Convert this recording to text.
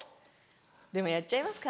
でもやっちゃいますか？